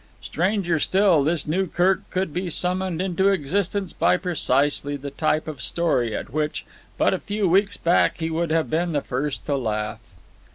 Stranger still, this new Kirk could be summoned into existence by precisely the type of story at which, but a few weeks back, he would have been the first to laugh.